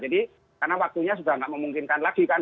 jadi karena waktunya sudah nggak memungkinkan lagi kan